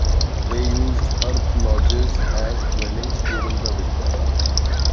They used earth lodges as dwellings during the winter.